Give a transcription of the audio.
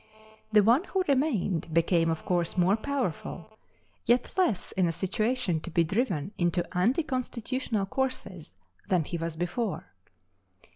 The one who remained became, of course, more powerful, yet less in a situation to be driven into anti constitutional courses than he was before.